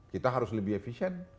kita harus lebih efisien